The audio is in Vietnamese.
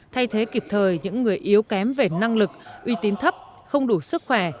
thay thế kịp thời những người yếu kém về năng lực uy tín thấp không đủ sức khỏe